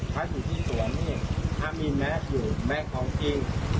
วัดอยู่ที่ส่วนนี้ถ้ามีแม็กซ์อยู่แม็กซ์ของจริง